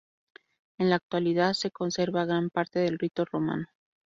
En la actualidad se conserva gran parte del rito romano.